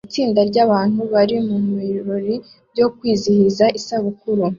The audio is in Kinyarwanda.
Itsinda ryabana bari mubirori byo kwizihiza isabukuru